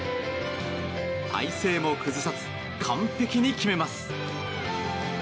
体勢も崩さず完璧に決めます。